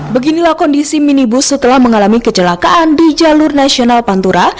beginilah kondisi minibus setelah mengalami kecelakaan di jalur nasional pantura